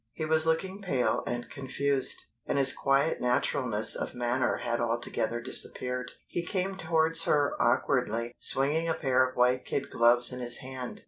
He was looking pale and confused, and his quiet naturalness of manner had altogether disappeared. He came towards her awkwardly, swinging a pair of white kid gloves in his hand.